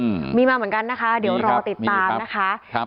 อืมมีมาเหมือนกันนะคะเดี๋ยวรอติดตามนะคะมีครับมีครับครับ